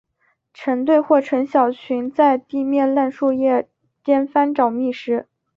成对或成小群在地面烂树叶间翻找觅食。